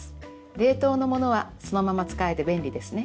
冷凍のものはそのまま使えて便利ですね！